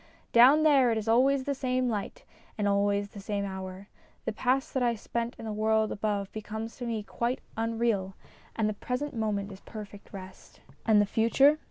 Down there it is always the same light and always the same hour. The past that I spent in the world above becomes to me quite unreal, and the present moment is perfect rest. And the future